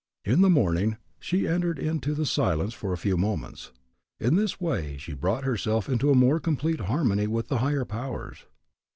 In the morning she entered into the silence for a few moments. In this way she brought herself into a more complete harmony with the higher powers.